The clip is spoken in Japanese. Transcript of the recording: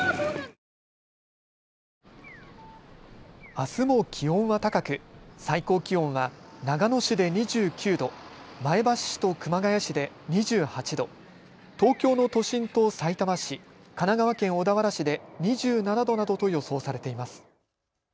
あすも気温は高く最高気温は長野市で２９度、前橋市と熊谷市で２８度、東京の都心とさいたま市、神奈川県小田原市で２７度などと予想されています。